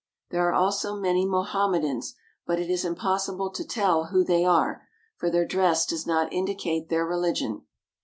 There are also many Mohammedans,, but it is impossible to tell who they are, for their dress does not indicate their religion.